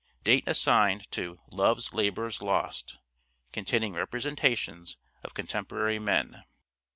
Date assigned to " Love's Labour's Lost." (containing representations of contemporary men).